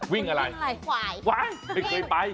วิ่งอะไรวิ่งขวาย